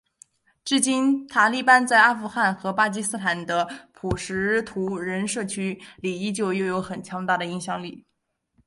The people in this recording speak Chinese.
至今塔利班在阿富汗和巴基斯坦的普什图人社区里依旧拥有很强大的影响力。